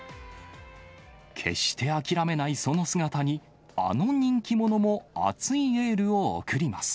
決して諦めないその姿に、あの人気者も熱いエールを送ります。